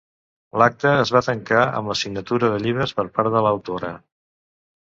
L'acte es va tancar amb la signatura de llibres per part de l'autora.